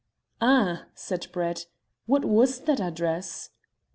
"Ah," said Brett, "what was that address?"